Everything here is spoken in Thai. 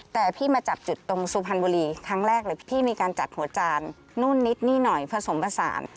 แต่พี่มาจับจุดตรงสุพรรณบุรีครั้งแรกเลยพี่มีการจัดหัวจานนู่นนิดนี่หน่อยผสมผสาน